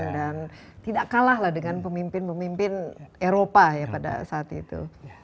dan tidak kalah dengan pemimpin pemimpin eropa pada saat itu